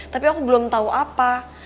tapi aku belum tahu apa